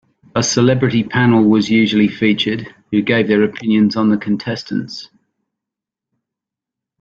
A celebrity panel was usually featured, who gave their opinions on the contestants.